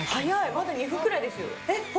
まだ２分くらいですよ。